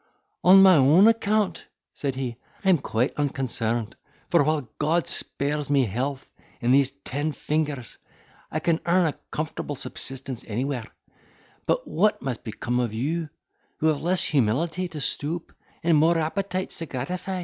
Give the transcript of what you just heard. "On my own account" said he, "I am quite unconcerned; for, while God spares me health and these ten fingers, I can earn a comfortable subsistence anywhere; but what must become of you, who have less humility to stoop, and more appetites to gratify?"